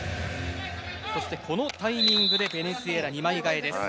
そして、このタイミングでベネズエラ、２枚替えです。